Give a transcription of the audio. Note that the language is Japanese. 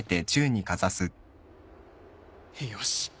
よし。